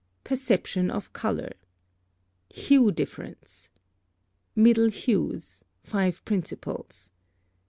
] +PERCEPTION of color.+ (48) Hue difference. Middle hues (5 principals).